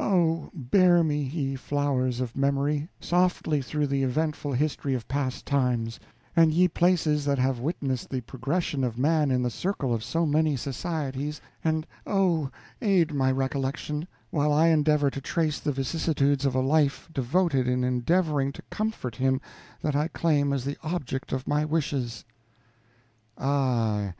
Oh, bear me, ye flowers of memory, softly through the eventful history of past times; and ye places that have witnessed the progression of man in the circle of so many societies, and, of, aid my recollection, while I endeavor to trace the vicissitudes of a life devoted in endeavoring to comfort him that I claim as the object of my wishes. Ah!